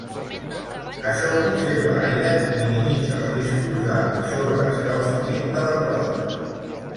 Això conserva aire i minimitza els riscos de sobreescalfament de les rodes.